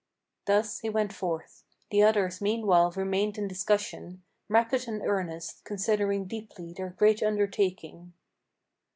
Thus he went forth: the others meanwhile remained in discussion, Rapid and earnest, considering deeply their great undertaking.